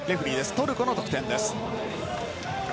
トルコの得点です。